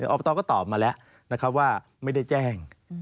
ออปตก็ตอบมาแล้วว่าไม่ได้แจ้ง